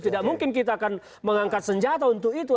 tidak mungkin kita akan mengangkat senjata untuk itu